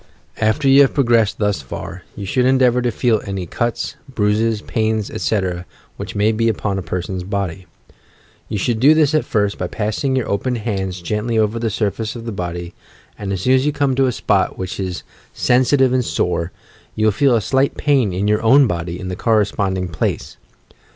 After you have progressed thus far, you should en deavour to feel any cuts, bruises, pains, etc., which may be upon a person's body. You should do this, at first, by passing your open hands gently over the surface of the body, and, as soon as you come to the spot which is THE CULTIVATION OP SENSITIVENESS 167 sensitive and sore, you will feel a sltgbt pain in your own hody in the corresponding place.